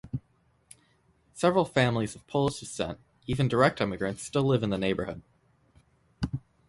Several families of Polish descent, even direct immigrants, still live in the neighborhood.